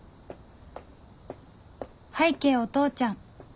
拝啓お父ちゃん